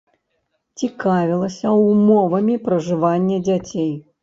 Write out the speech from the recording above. Цікавілася ўмовамі пражывання дзяцей.